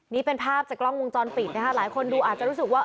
นี่เป็นภาพจากกล้องวงจรปิดนะคะหลายคนดูอาจจะรู้สึกว่า